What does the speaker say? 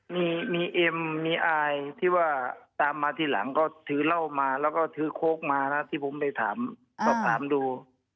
มีเอ็มมีอายที่ว่าตามมาทีหลังก็ถือเหล้ามาแล้วก็ถือโค้กมานะที่ผมไปถามสอบถามดู